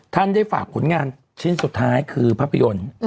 ได้ฝากผลงานชิ้นสุดท้ายคือภาพยนตร์